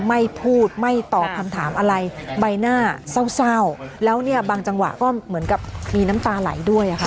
ไม่พูดไม่ตอบคำถามอะไรใบหน้าเศร้าแล้วเนี่ยบางจังหวะก็เหมือนกับมีน้ำตาไหลด้วยอะค่ะ